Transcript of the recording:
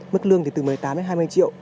mức lương thì từ một mươi tám đến hai mươi triệu